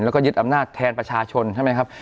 แล้วก็ยึดอำนาจแทนประชาชนใช่ไหมครับ